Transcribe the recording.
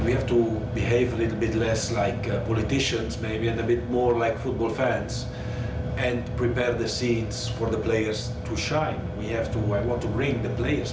คนเหมือนเขามีที่รักแต่มีผู้ที่อยากวิจัยเดินไป